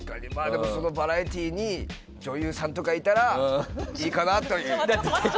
でも、そのバラエティーに女優さんとかいたらいいかなという。